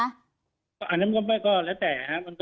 อันนั้นก็ไม่ก็แล้วแต่ครับ